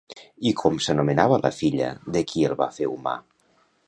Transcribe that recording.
I com s'anomenava la filla de qui el va fer humà?